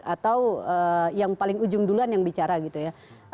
atau yang paling ujung duluan yang bicara gitu ya